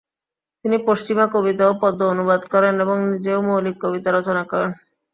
তিনি পশ্চিমা কবিতা ও পদ্য অনুবাদ করেন এবং নিজেও মৌলিক কবিতা রচনা করেন।